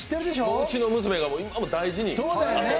うちの娘が今も大事に。